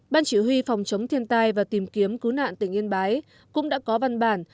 ban chỉ huy phòng chống thiên tai và tìm kiếm cứu nạn tỉnh yên bái cũng đã có văn bản